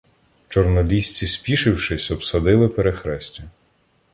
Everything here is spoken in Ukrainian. Чорнолісці, спішившись, обсадили перехрестя.